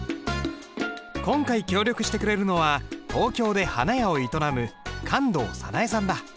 今回協力してくれるのは東京で花屋を営む観堂早奈恵さんだ。